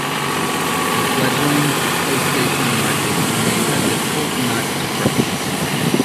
The fledgling PlayStation market remained a difficult nut to crack.